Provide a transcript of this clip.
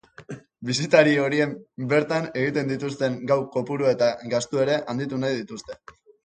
Bisitari horiek bertan egiten dituzten gau kopurua eta gastua ere handitu nahi dituzte.